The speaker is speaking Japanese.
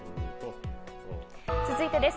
続いてです。